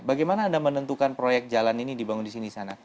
bagaimana anda menentukan proyek jalan ini dibangun di sini sana